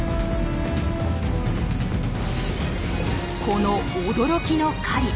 この驚きの狩り。